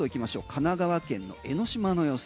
神奈川県の江ノ島の様子。